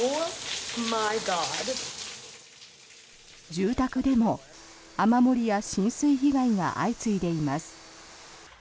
住宅でも雨漏りや浸水被害が相次いでいます。